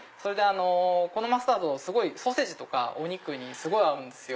このマスタードソーセージとかお肉にすごい合うんですよ。